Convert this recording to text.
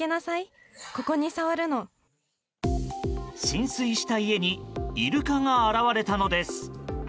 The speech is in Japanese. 浸水した家にイルカが現れたのです。